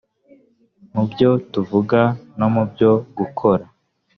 mu byo tuvuga no mu byo gukora